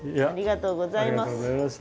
ありがとうございます。